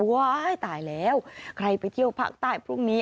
ว้ายตายแล้วใครไปเที่ยวภาคใต้พรุ่งนี้